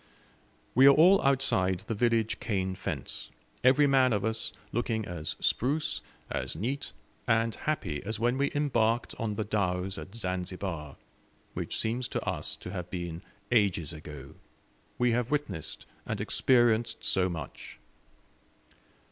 We are all outside the village cane fence, every man of us looking as spruce, as neat, and happy as when we embarked on the dhows at Zanzibar, which seems to us to have been ages ago we have witnessed and experienced so much.